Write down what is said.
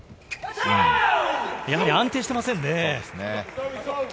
やはり安定していませんね。